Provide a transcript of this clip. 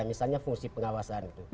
misalnya fungsi pengawasan